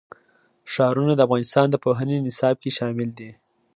ښارونه د افغانستان د پوهنې نصاب کې شامل دي.